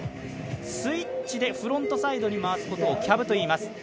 スイッチでフロントサイドに回すことをキャブといいます。